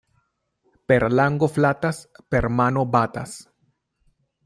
Per lango flatas, per mano batas.